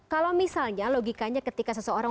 kalau misalnya logikanya ketika seseorang